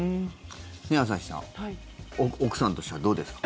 朝日さん奥さんとしてはどうですか？